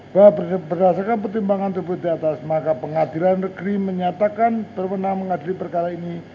bahwa berdasarkan pertimbangan dpt atas maka pengadilan negeri menyatakan berwenang mengadili perkara ini